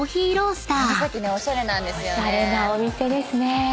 おしゃれなお店ですね。